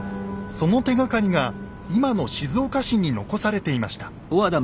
その手がかりが今の静岡市に残されていました。